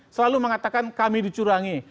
selalu mengatakan kami dicurangi